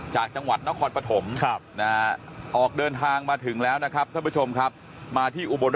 จากจังหวัดน้อยคอนปะถมครับน่ะออกเดินทางมาถึงแล้วนะครับ